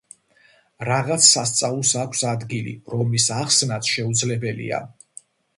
რაღაც სასწაულს აქვს ადგილი, რომლის ახსნაც შეუძლებელია.